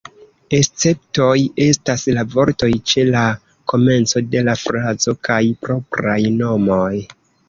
Esceptoj estas la vortoj ĉe la komenco de la frazo kaj propraj nomoj.